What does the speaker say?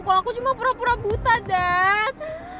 kalau aku cuma pura pura buta dot